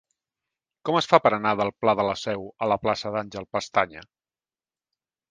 Com es fa per anar del pla de la Seu a la plaça d'Àngel Pestaña?